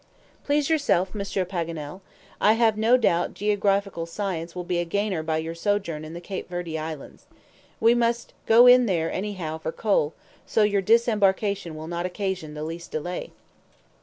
"Please yourself, Monsieur Paganel. I have no doubt geographical science will be a gainer by your sojourn in the Cape Verde Islands. We must go in there anyhow for coal, so your disembarkation will not occasion the least delay."